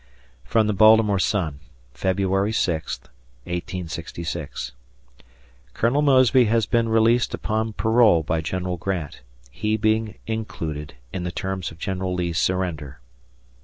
[From the Baltimore Sun, February 6th, 1866] Col. Mosby has been released upon parole by Genl. Grant, he being included in the terms of Genl. Lee's surrender.